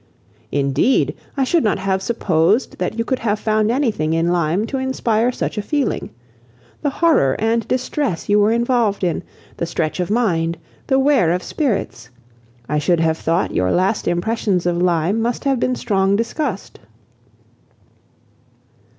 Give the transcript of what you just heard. "Indeed! I should not have supposed that you could have found anything in Lyme to inspire such a feeling. The horror and distress you were involved in, the stretch of mind, the wear of spirits! I should have thought your last impressions of Lyme must have been strong disgust."